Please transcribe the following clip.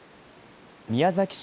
宮崎市